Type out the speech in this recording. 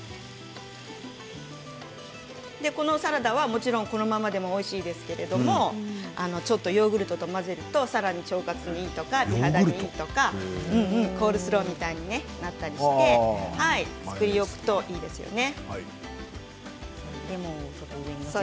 このサラダはもちろん、このままでもおいしいですけれどもちょっとヨーグルトと混ぜるとさらに腸活にいいとかコールスローみたいになったりして作り置いておくといいですよね。